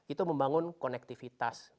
itu membangun konektivitas